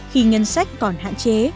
khi ngân sách còn hạn chế